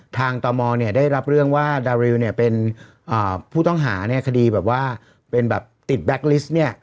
ตมเนี่ยได้รับเรื่องว่าดาริวเนี่ยเป็นผู้ต้องหาเนี่ยคดีแบบว่าเป็นแบบติดแบ็คลิสต์เนี่ย